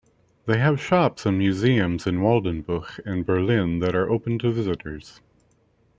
They have shops and museums in Waldenbuch and Berlin that are open to visitors.